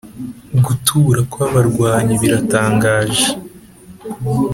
gutura kw'abarwanyi biratangaje!